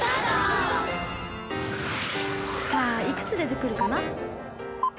さあいくつ出てくるかな？